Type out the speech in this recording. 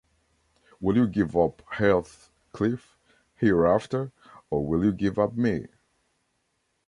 Will you give up Heathcliff hereafter, or will you give up me?